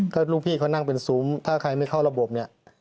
ก็ลูกพี่เขานั่งเป็นซุ้มถ้าใครไม่เข้าระบบเนี่ย